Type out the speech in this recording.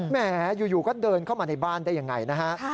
แหมอยู่ก็เดินเข้ามาในบ้านได้ยังไงนะฮะ